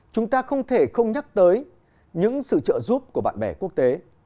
chúng ta không thể không nhắc tới những sự trợ giúp của bạn bè quốc tế